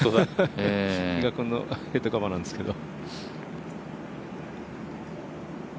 比嘉君のヘッドカバーなんですけど。